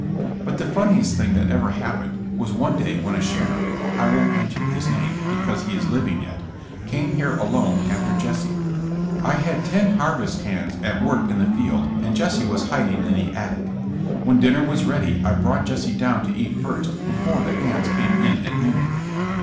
*'But the funniest thing that ever happened was one day when a sheriff — I won't mention his name, because he is living yet— came here alone after Jesse. I had ten harvest hands at work in the field, and Jesse was hiding in the attic. When dinner was ready I brought Jesse down to eat first before the hands came in at noon.